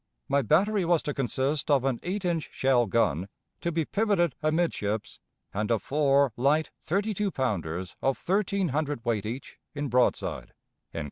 My battery was to consist of an eight inch shell gun, to be pivoted amidships, and of four light thirty two pounders of thirteen hundred weight each, in broadside."